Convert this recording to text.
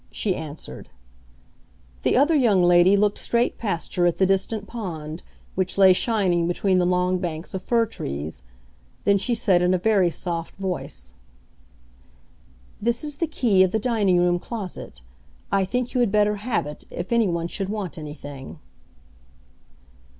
she answered. The other young lady looked straight past her, at the distant pond, which lay shining between the long banks of fir trees. Then she said in a very soft voice, "This is the key of the dining room closet. I think you had better have it, if anyone should want anything."